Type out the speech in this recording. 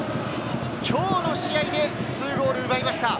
今日の試合で２ゴール奪いました。